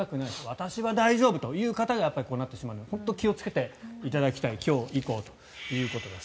私は大丈夫という方がなってしまうので本当に気をつけていただきたい今日以降ということです。